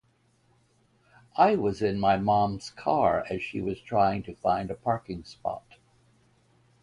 I was in my mom’s car as she was trying find a parking spot.